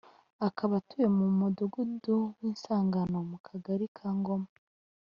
akaba atuye mu Mudugudu w’Isangano mu Kagari ka Ngoma